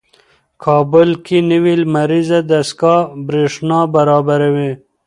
کابل کې نوې لمریزه دستګاه برېښنا برابروي.